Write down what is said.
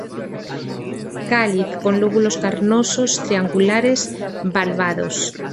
Cáliz con lóbulos carnosos, triangulares, valvados.